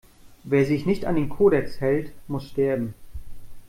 Wer sich nicht an den Kodex hält, muss sterben!